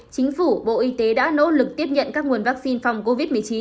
chính phủ bộ y tế đã nỗ lực tiếp nhận các nguồn vaccine phòng covid một mươi chín